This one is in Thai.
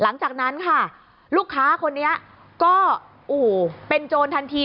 หลังจากนั้นค่ะลูกค้าคนนี้ก็โอ้โหเป็นโจรทันที